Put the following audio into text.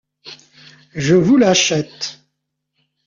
Je vous l’achète.